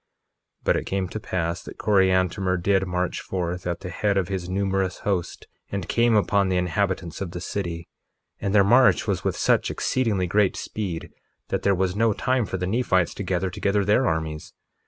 1:19 But it came to pass that Coriantumr did march forth at the head of his numerous host, and came upon the inhabitants of the city, and their march was with such exceedingly great speed that there was no time for the Nephites to gather together their armies.